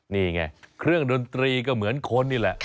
นี่ไงเครื่องดนตรีก็เหมือนคนนี่แหละ